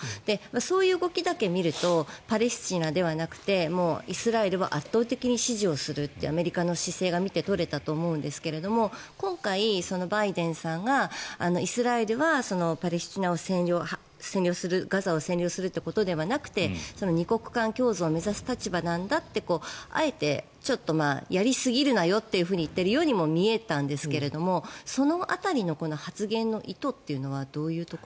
そういう動きだけ見るとパレスチナではなくてイスラエルは圧倒的に支持をするってアメリカの姿勢が見て取れたと思うんですが今回、バイデンさんがイスラエルはガザを占領するということではなくて２国家共存を目指す立場なんだってあえて、やりすぎるなよって言っているようにも見えたんですがその辺りの発言の意図というのはどういうところが？